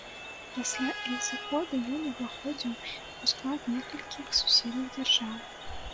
Пасля іх зыходу ён уваходзіў у склад некалькіх суседніх дзяржаў.